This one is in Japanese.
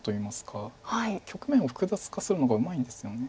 局面を複雑化するのがうまいんですよね。